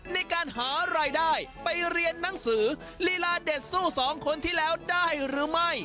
ในการหารายได้ไปเรียนหนังสือลีลาเด็ดสู้สองคนที่แล้วได้หรือไม่